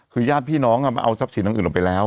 คือญาติพี่น้องมาเอาทรัพย์สินอย่างอื่นลงไปแล้ว